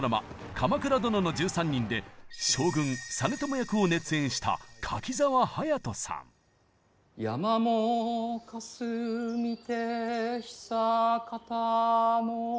「鎌倉殿の１３人」で将軍実朝役を熱演した「山もかすみて久かたの」。